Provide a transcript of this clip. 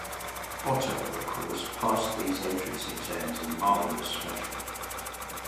Otto, of course, passed these entrance exams in marvelous fashion.